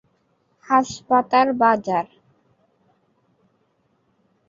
হাসপাতাল বাজার।